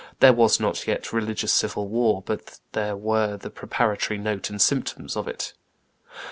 There was not yet religious civil war, but there were the preparatory note and symptoms of it.